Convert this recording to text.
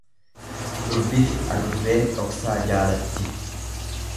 Durbifi adurreen dhoksaa jaalatti.